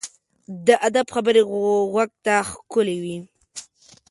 د ادب خبرې غوږ ته ښکلي وي.